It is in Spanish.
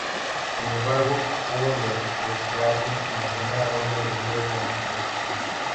Sin embargo, hubo de retirarse en la primera ronda debido a una lesión.